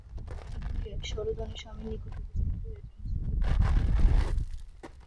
এই বলিয়া সরোদনে স্বামীর নিকট উপস্থিত হইয়া জনশ্রুতির কথা তাহাকে জানাইল।